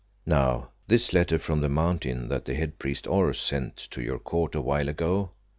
Now, this letter from the Mountain that the head priest Oros sent to your court a while ago?"